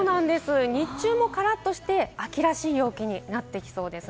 日中はからっとした秋らしい陽気になってきそうです。